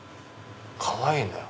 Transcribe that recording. かわいいんだよ。